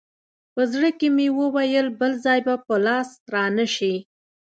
په زړه کښې مې وويل بل ځاى به په لاس را نه سې.